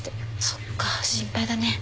そっか心配だね。